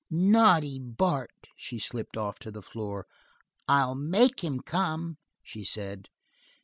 "Naughty Bart!" She slipped off to the floor. "I'll make him come," she said.